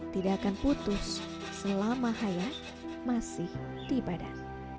tidak akan putus selama hayat masih di badan